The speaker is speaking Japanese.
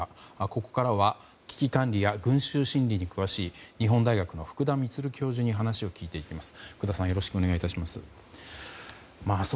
ここからは危機管理や群集心理に詳しい日本大学の福田満教授に話を聞いていきます。